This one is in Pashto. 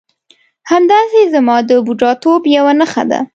همدایې زما د بوډاتوب یوه نښه ده.